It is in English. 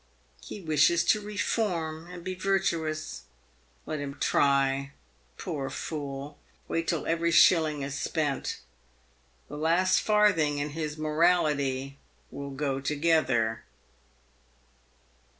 " He wishes to reform and be virtuous. Let him try, poor fool ! "Wait till every shilling is spent. The last farthing and his morality will go together."